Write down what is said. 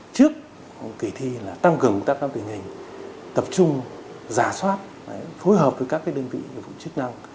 trước kỳ thi là tăng cường các tình hình tập trung giả soát phối hợp với các đơn vị hiệp vụ chức năng